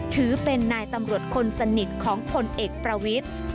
ถือเป็นนายตำรวจคนสนิทของพลเอกประวิทธิ์